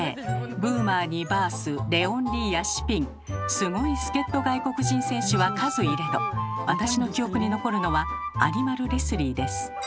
ブーマーにバースレオン・リーやシピンすごい助っ人外国人選手は数いれど私の記憶に残るのはアニマル・レスリーです。